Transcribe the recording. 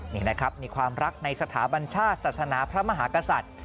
นี่นะครับมีความรักในสถาบัญชาติศาสนาพระมหากษัตริย์